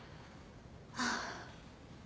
ああ。